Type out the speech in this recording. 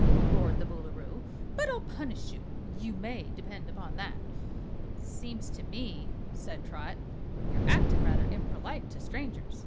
roared the Boolooroo. "But I'll punish you. You may depend upon that." "Seems to me," said Trot, "you're actin' rather imperlite to strangers.